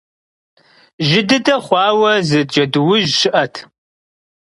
Жьы дыдэ хъуауэ зы Джэдуужь щыӀэт.